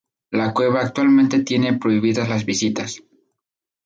La cueva actualmente tiene prohibidas las visitas.